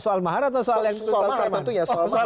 soal maharat tentunya